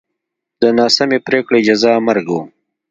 د ناسمې پرېکړې جزا مرګ و